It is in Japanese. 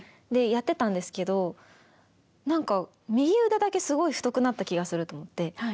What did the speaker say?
でやってたんですけど何か右腕だけすごい太くなった気がすると思って。